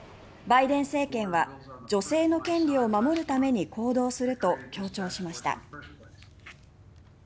バイデン政権は女性の権利を守るために行動すると強調しました。